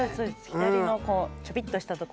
左のこうちょびっとしたとこに。